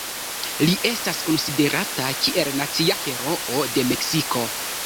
Li estas konsiderata kiel nacia heroo de Meksiko.